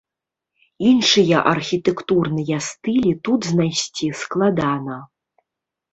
Іншыя архітэктурныя стылі тут знайсці складана.